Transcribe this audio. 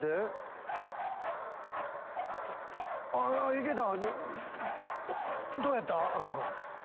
いけた？